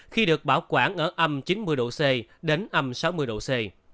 khi được bảo quản ở âm chín mươi độ c đến âm sáu mươi độ c